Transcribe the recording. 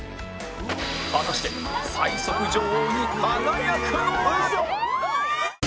果たして最速女王に輝くのは？